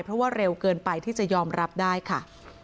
เพราะว่าเร็วเกินไปที่จะยอมรับได้ค่ะ